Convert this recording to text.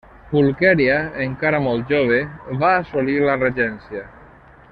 Pulquèria, encara molt jove, va assolir la regència.